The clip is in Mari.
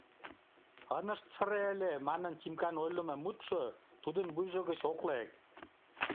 «Ынышт сыре ыле», — манын Тимкан ойлымо мутшо тудын вуйжо гыч ок лек.